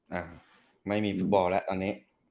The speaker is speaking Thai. อ่าไม่มีฟุตบอลแล้วตอนนี้